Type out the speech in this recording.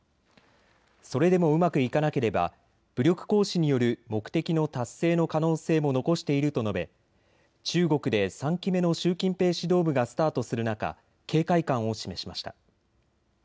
それでもうまくいかなければ武力行使による目的の達成の可能性も残していると述べ中国で３期目の習近平指導部がスタートする中、警戒感を示しました。